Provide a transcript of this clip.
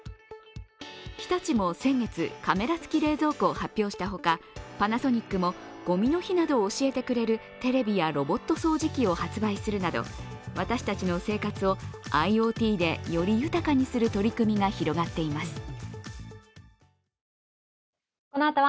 日立も先月、カメラ付き冷蔵庫を発表したほか、パナソニックもごみの日などを教えてくれるテレビやロボット掃除機を発売するなど、私たちの生活をＩｏＴでより豊かにする取り組みが広がっています。